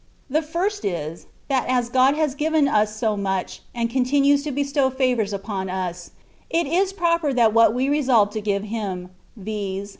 The first is, that as God has given us so much, and continues to bestow favours upon us, it is proper that what we resolve to give Him (viz.